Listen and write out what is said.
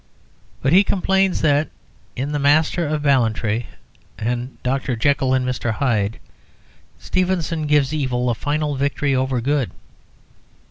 But he complains that, in "The Master of Ballantrae" and "Dr. Jekyll and Mr. Hyde," Stevenson gives evil a final victory over good.